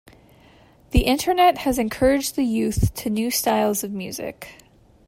The internet has encouraged the youth to new styles of music.